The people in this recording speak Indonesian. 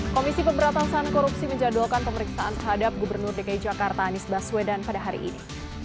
komisi pemberatasan korupsi menjadwalkan pemeriksaan terhadap gubernur dki jakarta anies baswedan pada hari ini